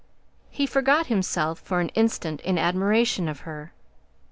He forgot himself for an instant in admiration of her.